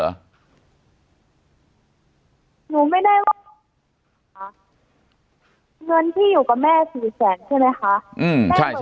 เงินที่อยู่กับแม่๔แสนใช่ไหมคะ